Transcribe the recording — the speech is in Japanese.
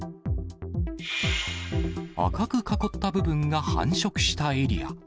赤く囲った部分が繁殖したエリア。